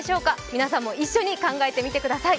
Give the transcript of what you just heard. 皆さんも一緒に考えてみてください。